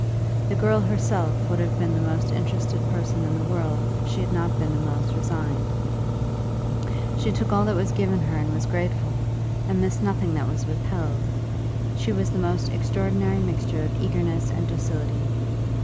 The girl herself would have been the most interested person in the world if she had not been the most resigned; she took all that was given her and was grateful, and missed nothing that was withheld; she was the most extraordinary mixture of eagerness and docility.